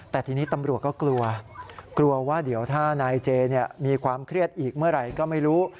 แต่ทีนี้ตำรวจก็กลัวกลัวว่าเดี๋ยวถ้านายเจมีความเครียดอีกเมื่อไหร่ก็ไม่รู้